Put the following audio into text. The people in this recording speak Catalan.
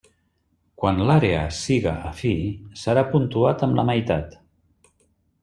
Quan l'àrea siga afí, serà puntuat amb la meitat.